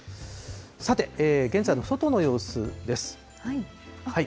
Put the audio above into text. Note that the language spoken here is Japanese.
さて、現在の外の様子です。